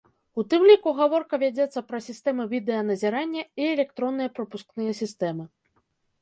У тым ліку гаворка вядзецца пра сістэмы відэаназірання і электронныя прапускныя сістэмы.